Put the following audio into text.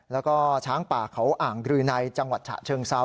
แล้วก็ช้างป่าเขาอ่างรือในจังหวัดฉะเชิงเซา